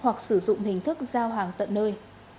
hoặc sử dụng hình thức giao hàng tận nơi